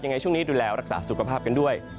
ยังไงช่วงนี้ดูแลรักษาสุขภาพกันด้วย